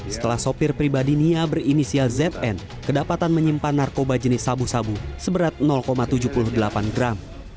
setelah sopir pribadi nia berinisial zn kedapatan menyimpan narkoba jenis sabu sabu seberat tujuh puluh delapan gram